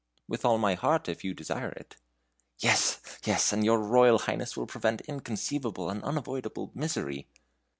"With all my heart, if you desire it." "Yes, yes! and your Royal Highness will prevent inconceivable and unavoidable misery."